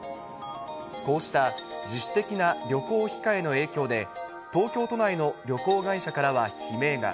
こうした自主的な旅行控えの影響で、東京都内の旅行会社からは悲鳴が。